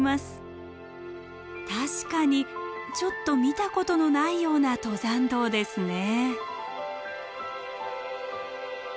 確かにちょっと見たことのないような登山道ですね。